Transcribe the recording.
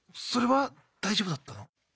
それは大丈夫だったの？